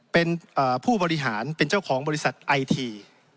เป็นผู้บริหารเป็นเจ้าของบริษัทไอที